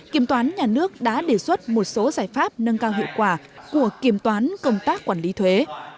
kiểm toán nhà nước đã đề xuất một số giải pháp nâng cao hiệu quả của kiểm toán công tác quản lý thuế